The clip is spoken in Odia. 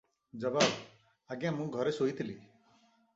ଜବାବ - ଆଜ୍ଞା ମୁଁ ଘରେ ଶୋଇଥିଲି ।